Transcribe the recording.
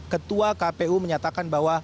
ketua kpu menyatakan bahwa